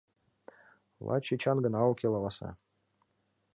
Лач Эчан гына уке, лаваса.